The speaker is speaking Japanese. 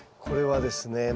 これはですね